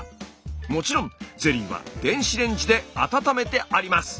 もちろんゼリーは電子レンジで温めてあります。